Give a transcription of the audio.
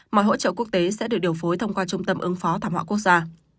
mọi hỗ trợ quốc tế sẽ được điều phối thông qua trung tâm ứng phó thảm họa quốc gia